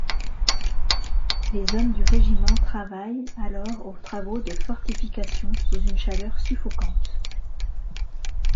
Les hommes du régiment travaillent alors aux travaux de fortification sous une chaleur suffocante.